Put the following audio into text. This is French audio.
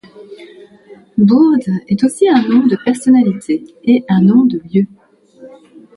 Bourde est aussi un nom de personnalités et un nom de lieu.